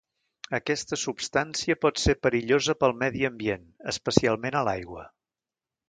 Aquesta substància pot ser perillosa pel medi ambient, especialment a l'aigua.